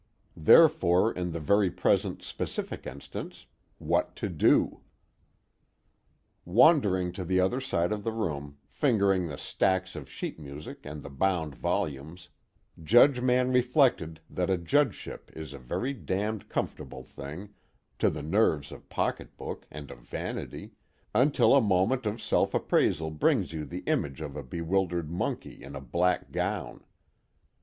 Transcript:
Therefore in the very present specific instance: What to do? Wandering to the other side of the room, fingering the stacks of sheet music and the bound volumes, Judge Mann reflected that a judgeship is a very damned comfortable thing, to the nerves of pocketbook and of vanity, until a moment of self appraisal brings you the image of a bewildered monkey in a black gown.